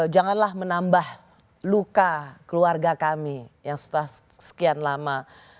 janganlah menambah luka keluarga kami yang setelah sekian lama